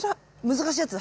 難しいやつ？